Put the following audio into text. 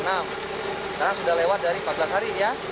sekarang sudah lewat dari empat belas hari ya